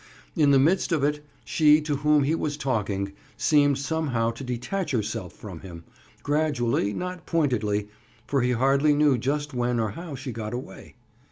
In the midst of it, she to whom he was talking, seemed somehow to detach herself from him, gradually, not pointedly, for he hardly knew just when or how she got away.